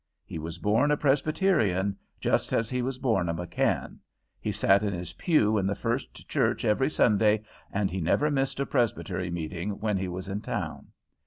He was born a Presbyterian, just as he was born a McKann. He sat in his pew in the First Church every Sunday, and he never missed a presbytery meeting when he was in town.